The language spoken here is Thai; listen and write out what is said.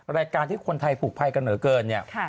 รายการที่คนไทยผูกภัยกันเหลือเกินเนี่ย